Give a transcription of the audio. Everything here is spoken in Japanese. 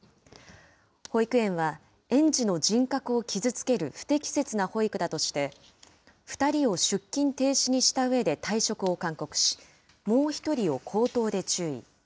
保育園は園児の人格を傷つける不適切な保育だとして、２人を出勤停止にしたうえで退職を勧告し、もう１人を口頭で注意。